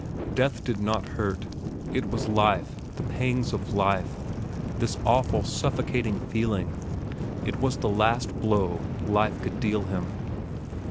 Death did not hurt. It was life, the pangs of life, this awful, suffocating feeling; it was the last blow life could deal him.